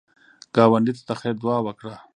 ګاونډي ته د خیر دعا وکړه